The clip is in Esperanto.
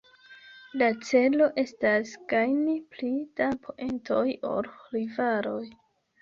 La celo estas gajni pli da poentoj ol rivaloj.